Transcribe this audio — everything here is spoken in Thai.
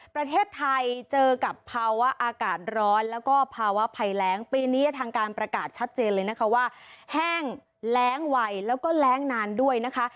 ประเทศไทยเจอกับภาวะอากาศร้อนแล้วก็ภาวะภัยแรงปีนี้ทางการประกาศชัดเจนเลยนะคะว่าแห้งแรงไวแล้วก็แรงนานด้วยนะคะ